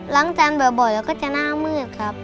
จานบ่อยแล้วก็จะหน้ามืดครับ